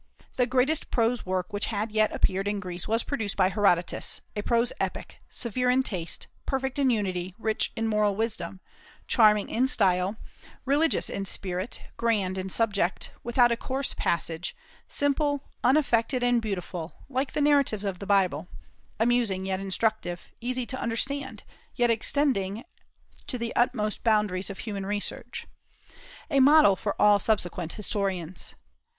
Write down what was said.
The greatest prose work which had yet appeared in Greece was produced by Herodotus, a prose epic, severe in taste, perfect in unity, rich in moral wisdom, charming in style, religious in spirit, grand in subject, without a coarse passage; simple, unaffected, and beautiful, like the narratives of the Bible, amusing yet instructive, easy to understand, yet extending to the utmost boundaries of human research, a model for all subsequent historians.